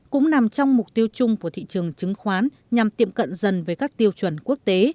cũng nằm trong mục tiêu chung của thị trường chứng khoán nhằm tiệm cận dần với các tiêu chuẩn quốc tế